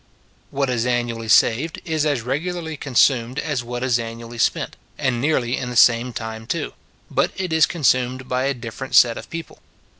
What is annually saved, is as regularly consumed as what is annually spent, and nearly in the same time too: but it is consumed by a different set of people.